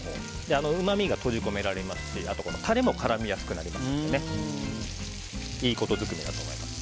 うまみが閉じ込められますしタレも絡みやすくなりますのでいいことづくめだと思います。